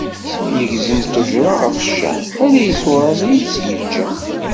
Yegzem ttejra ɣef cceḥ, ala iẓuran i as-yeǧǧa.